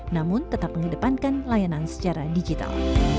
namun tetap mengedepankan layanan secara digital